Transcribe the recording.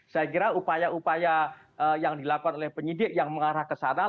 saya kira upaya upaya yang dilakukan oleh penyidik yang mengarah ke sana